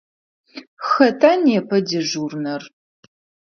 Хэта непэ дежурнэр?